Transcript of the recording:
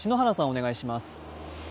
お願いします。